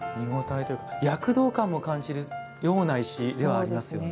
躍動感も感じるような石でもありますね。